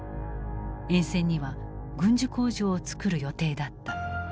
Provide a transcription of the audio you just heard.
沿線には軍需工場を造る予定だった。